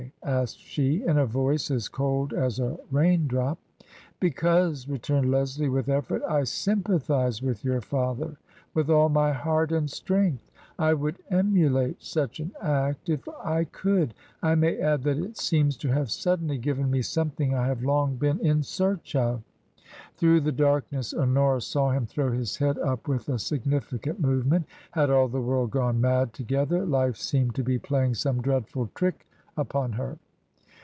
asked she, in a voice as cold as a raindrop. " Because," returned Leslie, with effort, " I sympathize with your father with all my heart and strength. I would emulate such an act if I could. I may add that it seems to have suddenly given me something I have long been in search of." Through the darkness Honora saw him throw his head up with a significant movement. Had all the world gone mad together ? Life seemed to be playing some dreadful trick upon her.